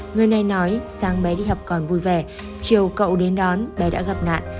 người này nói sáng bé đi học còn vui vẻ chiều cậu đến đón bé đã gặp nạn